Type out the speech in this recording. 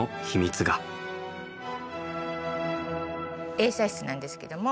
映写室なんですけども。